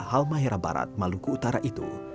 halmahera barat maluku utara itu